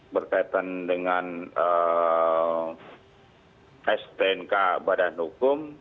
berkaitan dengan stnk badan hukum